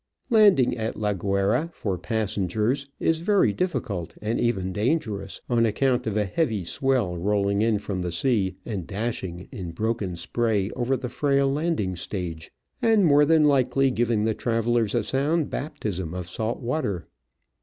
Landing at La Guayra for passengers is very difficult, and even dangerous, on account of a heavy swell rolling in from the sea and dashing in broken spray over the frail landing stage, and more than likely giving the traveller a sound baptism of salt water.